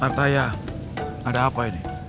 artaya ada apa ini